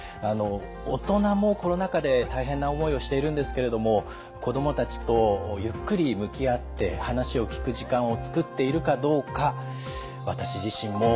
大人もコロナ禍で大変な思いをしているんですけれども子どもたちとゆっくり向き合って話を聞く時間を作っているかどうか私自身ももう一度考え直そうと思います。